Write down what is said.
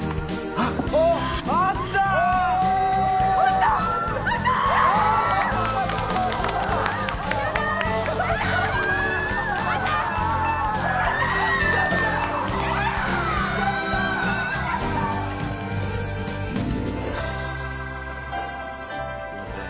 はいすいません。